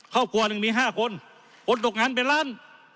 เข้ากวนนึงมีห้าคนคนตกงานเป็นล้าน